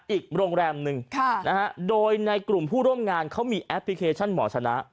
อีกโรงแรมหนึ่งโดยในกลุ่มผู้ร่วมงานเขามีแอปพลิเคชันหมอชนะ